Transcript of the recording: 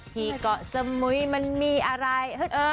ที่เกาะสมุยมันมีอะไร